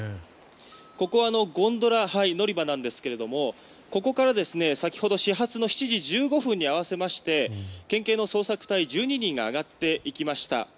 ここはゴンドラ乗り場なんですけれどもここから先ほど始発の７時１５分に合わせまして県警の捜索隊１２人が上がっていきました。